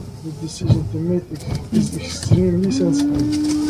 The decision to mate is extremely sensitive.